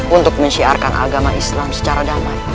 untuk menyiarkan agama islam secara damai